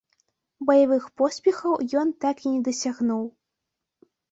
Баявых поспехаў ён так і не дасягнуў.